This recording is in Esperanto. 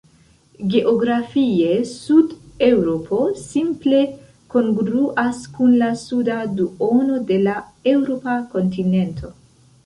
Geografie, Sud-Eŭropo simple kongruas kun la suda duono de la eŭropa kontinento.